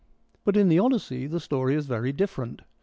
But in the Odyssey the story is very different.